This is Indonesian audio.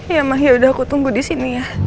ya emang yaudah aku tunggu disini ya